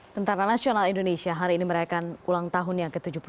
tentara nasional indonesia hari ini merayakan ulang tahunnya ke tujuh puluh dua